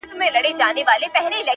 هغه خو زما کره په شپه راغلې نه ده ـ